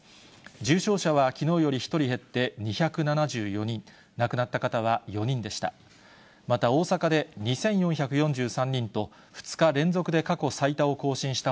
重症者はきのうより１人減って２７４人、亡くなった方は４人でした。